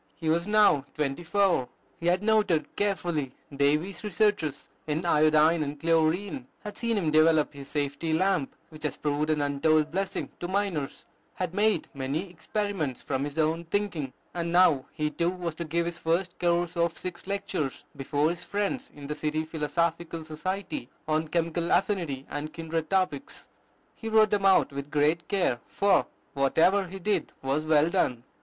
He was now twenty four. He had noted carefully Davy's researches in iodine and chlorine, had seen him develop his safety lamp, which has proved an untold blessing to miners, had made many experiments from his own thinking; and now he too was to give his first course of six lectures before his friends in the City Philosophical Society, on Chemical Affinity, and kindred topics. He wrote them out with great care; for whatever he did was well done.